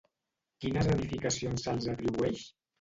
Quines edificacions se'ls atribueix?